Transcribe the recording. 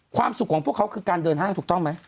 ความสุขของพวกเขาคือการเดินห้างถูกต้องไหม